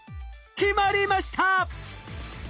決まりました！